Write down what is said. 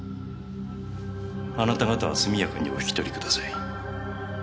あなた方はすみやかにおひきとりください。